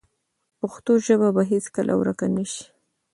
پښتو ژبه به هیڅکله ورکه نه شي.